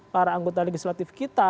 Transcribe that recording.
para anggota legislatif kita